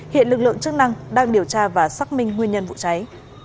hiện lực lượng chức năng đang điều tra và xác minh nguyên nhân vụ cháy